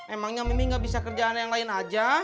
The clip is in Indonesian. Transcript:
emangnya mimi gak bisa kerjaan yang lain aja